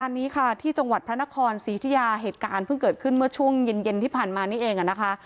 อันนี้ค่ะที่จังหวัดพระนครศรีอุทิยาเหตุการณ์เพิ่งเกิดขึ้นเมื่อช่วงเย็นที่ผ่านมานี่เองอ่ะนะคะ